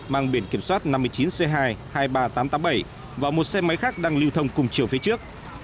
mang biển kiểm soát năm mươi chín c hai hai mươi ba nghìn tám trăm tám mươi bảy và một xe máy khác đang lưu thông cùng chiều phía trước